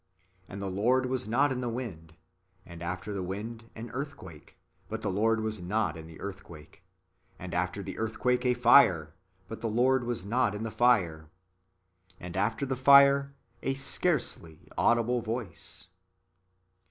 And the Lord [was] not in the wind ; and after the wind an earthquake, but the Lord [was] not in the earthquake ; and after the earthquake a fire, but the Lord [was] not in the fire; and after the fire a scarcely audible voice" (vox aurce tenuis).